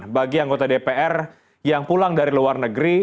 bagi anggota dpr yang pulang dari luar negeri